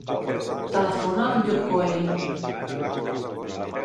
Telefona al Lluc Coelho.